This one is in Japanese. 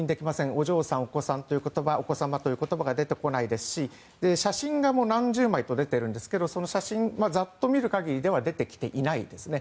お嬢さん、お子様という言葉が出てこないですし写真が何十枚と出てるんですがその写真、ざっと見る限りでは出てきていないですね。